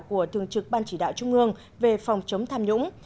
của thường trực ban chỉ đạo trung ương về phòng chống tham nhũng